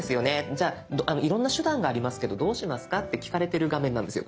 じゃあいろんな手段がありますけどどうしますか？」って聞かれてる画面なんですよ